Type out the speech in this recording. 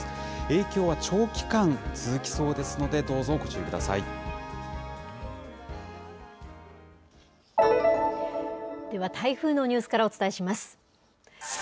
影響は長期間、続きそうですので、では、台風のニュースからお伝えします。